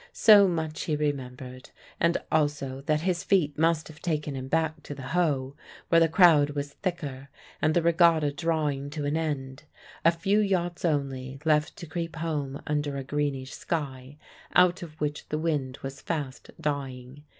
So much he remembered, and also that his feet must have taken him back to the Hoe, where the crowd was thicker and the regatta drawing to an end a few yachts only left to creep home under a greenish sky, out of which the wind was fast dying.